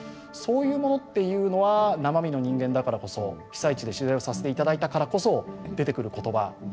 そういうものっていうのは生身の人間だからこそ被災地で取材をさせて頂いたからこそ出てくる言葉。